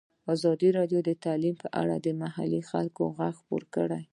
ازادي راډیو د تعلیم په اړه د محلي خلکو غږ خپور کړی.